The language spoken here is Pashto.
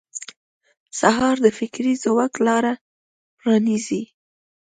سهار د فکري ځواک لاره پرانیزي.